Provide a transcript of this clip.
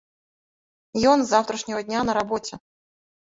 Ён з заўтрашняга дня на рабоце.